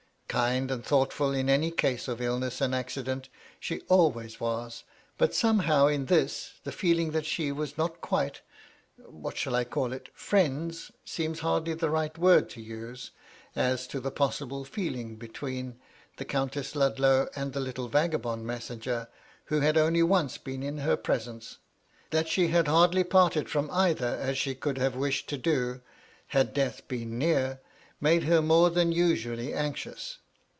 Kind and thoughtful in any case of illness and accident, she always was ; but somehow, in this, the feeling that she was not quite — what shall 1 call it ?—" friends " seems hardly the right word to use, as to the possible feeling between the Countess Ludlow and the little vagabond messenger, who had only once been in her presence, — that she had hardly parted from either as she could have wished to do, had death been near, made her more than usually anxious.